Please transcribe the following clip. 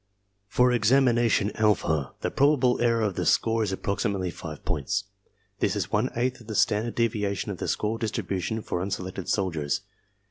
For examination alpha the probable error of the score is approximately 5 points. This is one eighth of the standard deviation of the score distribution for unselected soldiers.